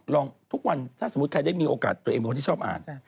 ทุกวันถ้าสมมุติใครได้มีโอกาสตัวเองเป็นคนที่ชอบอ่าน